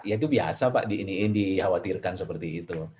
ya itu biasa pak di iniin dikhawatirkan seperti itu